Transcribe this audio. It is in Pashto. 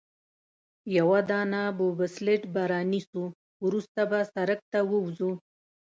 یوه دانه بوبسلیډ به رانیسو، وروسته به سړک ته ووځو.